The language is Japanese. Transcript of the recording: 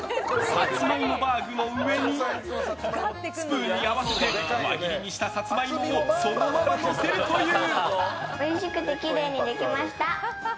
サツマイモバーグの上にスプーンに合わせて輪切りにしたサツマイモをそのままのせるという。